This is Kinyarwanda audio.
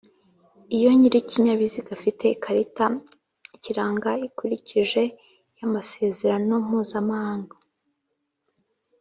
Iyo nyir'ikinyabiziga afite ikarita ikiranga ikurikije y'amasezerano mpuza-mahanga